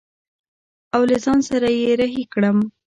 او له ځان سره يې رهي کړم.